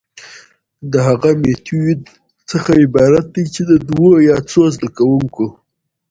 د هغه ميتود څخه عبارت دي چي د دوو يا څو زده کوونکو،